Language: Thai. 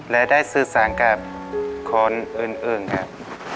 และได้สื่อสารกับคนอื่นครับ